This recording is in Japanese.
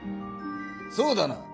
そうだな。